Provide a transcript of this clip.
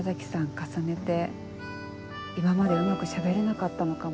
重ねて今までうまくしゃべれなかったのかも。